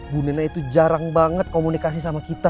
bu nene itu jarang banget komunikasi sama kita